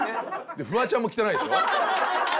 フワちゃんも汚いでしょ。